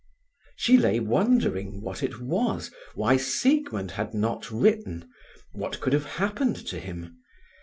She lay wondering what it was, why Siegmund had not written, what could have happened to him.